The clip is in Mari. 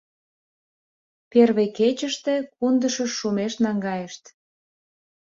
Первый кечыште Кундышыш шумеш наҥгайышт.